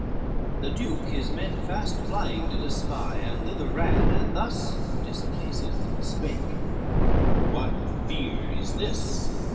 XLVII The duke his men fast flying did espy, And thither ran, and thus, displeased, spake, "What fear is this?